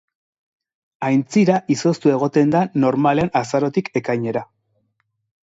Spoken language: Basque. Aintzira izoztua egoten da normalean Azarotik ekainera.